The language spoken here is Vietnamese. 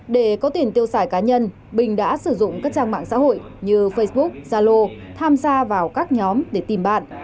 để có tiền tiêu xài cá nhân bình đã sử dụng các trang mạng xã hội như facebook zalo tham gia vào các nhóm để tìm bạn